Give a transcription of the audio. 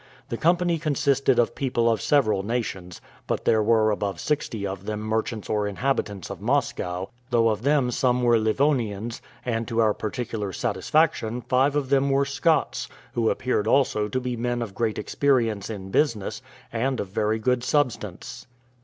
The company consisted of people of several nations, but there were above sixty of them merchants or inhabitants of Moscow, though of them some were Livonians; and to our particular satisfaction, five of them were Scots, who appeared also to be men of great experience in business, and of very good substance.